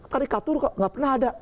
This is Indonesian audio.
karikatur kok nggak pernah ada